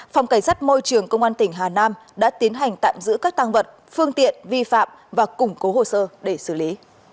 phòng cảnh sát môi trường công an tỉnh hà nam đã tiến hành tạm giữ các tăng vật phương tiện vi phạm và củng cố hồ sơ để xử lý